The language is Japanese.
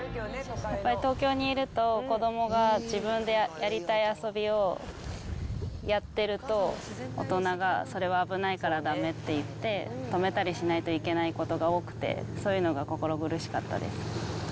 やっぱり東京にいると、子どもが自分でやりたい遊びをやってると、大人がそれは危ないからだめっていって、止めたりしないといけないことが多くて、そういうのが心苦しかったです。